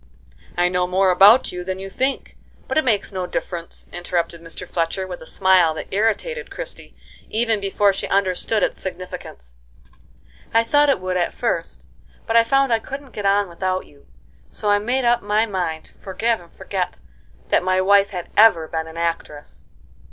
"I know more about you than you think; but it makes no difference," interrupted Mr. Fletcher, with a smile that irritated Christie, even before she understood its significance. "I thought it would at first, but I found I couldn't get on without you, so I made up my mind to forgive and forget that my wife had ever been an actress."